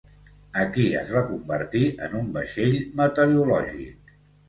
Aquí es va convertir en un vaixell meteorològic.